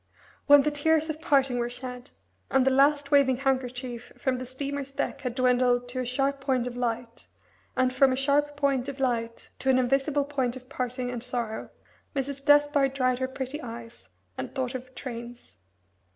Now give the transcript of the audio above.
When the tears of parting were shed, and the last waving handkerchief from the steamer's deck had dwindled to a sharp point of light, and from a sharp point of light to an invisible point of parting and sorrow, Mrs. Despard dried her pretty eyes, and thought of trains.